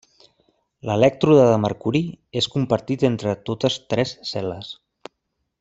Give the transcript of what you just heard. L'elèctrode de mercuri és compartit entre totes tres cel·les.